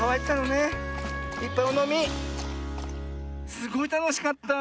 すごいたのしかった。